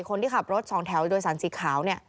คนที่ขับรถสองแถวโดยสารสีขาวเนี่ย